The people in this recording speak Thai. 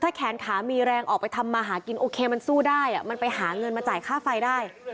แขนขามีแรงออกไปทำมาหากินโอเคมันสู้ได้มันไปหาเงินมาจ่ายค่าไฟได้